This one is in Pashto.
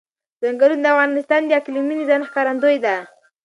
ځنګلونه د افغانستان د اقلیمي نظام ښکارندوی ده.